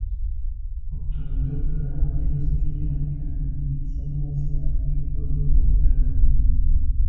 Obtuvo el doctorado en Filosofía en la Pontificia Universidad Gregoriana de Roma.